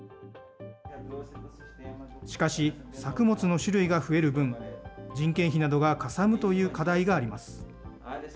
しかし、作物の種類が増える分、人件費などがかさむという課題があります。